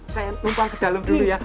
saya tumpah ke dalam dulu ya